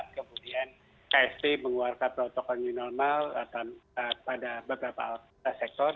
kemudian ksp mengeluarkan protokol new normal pada beberapa sektor